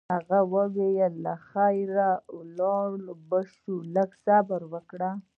هغې وویل: له خیره ولاړ به شو، لږ صبر وکړه.